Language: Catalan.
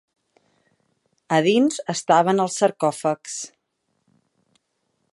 A dins estaven els sarcòfags.